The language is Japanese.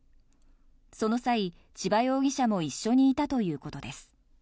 その際、千葉容疑者も一緒にいたということです。